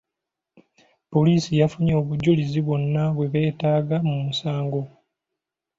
Poliisi yafunye obujulizi bwonna bwe beetaaga mu musango.